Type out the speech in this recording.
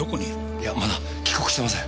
いやまだ帰国してません。